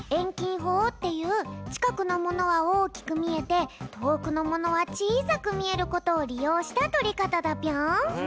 ほうっていうちかくのものはおおきくみえてとおくのものはちいさくみえることをりようしたとりかただぴょん！